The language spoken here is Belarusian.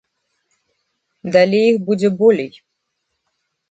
Далей іх будзе болей.